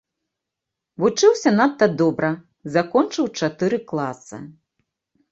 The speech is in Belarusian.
Вучыўся надта добра, закончыў чатыры класы.